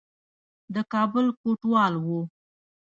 د کابل کوټوال وو.